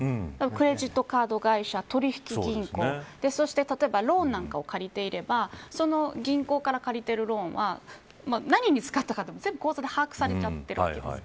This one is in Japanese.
クレジットカード会社取引銀行そして例えばローンなんかを借りていれば銀行から借りているローンは何に使ったか全部口座で把握されちゃってるわけです。